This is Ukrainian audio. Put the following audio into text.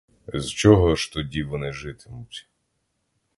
З чого ж тоді вони житимуть?